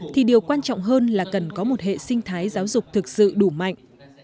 thì điều quan trọng hơn là cần có một hệ sinh thái giáo dục thực sự đủ mạnh